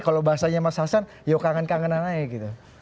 kalau bahasanya mas hasan ya kangen kangenan aja gitu